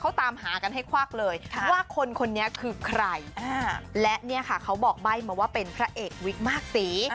เขาตามหากันให้ควักเลยว่าคนคนนี้คือใครและเนี่ยค่ะเขาบอกใบ้มาว่าเป็นพระเอกวิกมากสี